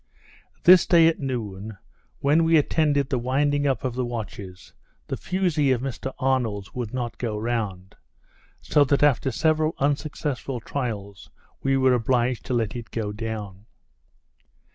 This day at noon, when we attended the winding up of the watches, the fusee of Mr Arnold's would not turn round, so that after several unsuccessful trials we were obliged to let it go down.